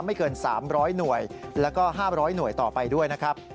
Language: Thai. ไม่เกิน๓๐๐หน่วยแล้วก็๕๐๐หน่วยต่อไปด้วยนะครับ